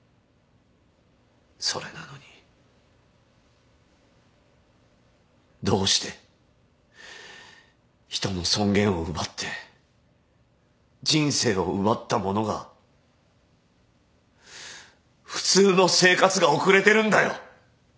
それなのにどうして人の尊厳を奪って人生を奪った者が普通の生活が送れてるんだよ。